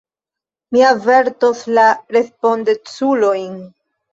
Mi avertos la respondeculojn.